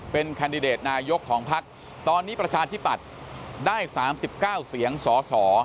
เป็นแคนดิเดตนายกของพักตอนนี้ประชาธิปัตย์ได้๓๙เสียงสส